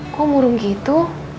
kok murung gitu